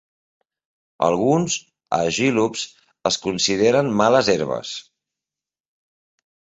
Alguns "Aegilops" es consideren males herbes.